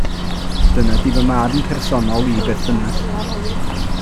Dyna ydy fy marn personol i beth bynnag.